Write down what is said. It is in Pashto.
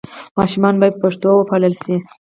ماشومان باید په پښتو وپالل سي.